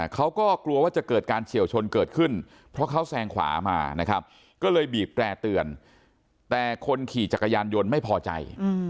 เขาก็กลัวว่าจะเกิดการเฉียวชนเกิดขึ้นเพราะเขาแซงขวามานะครับก็เลยบีบแตร่เตือนแต่คนขี่จักรยานยนต์ไม่พอใจ